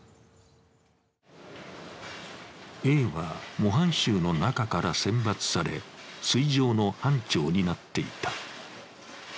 Ａは模範囚の中から選抜され、炊場の班長になっていた。